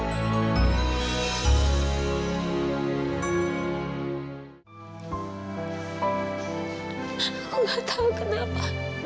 aku gak tau kenapa